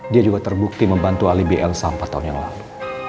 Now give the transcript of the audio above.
dia juga terbukti membantu alibi l sampai tahun yang lalu